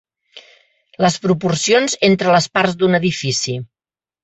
Les proporcions entre les parts d'un edifici.